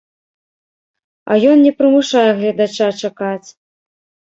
А ён не прымушае гледача чакаць!